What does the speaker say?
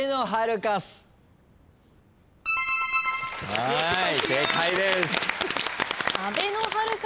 はい。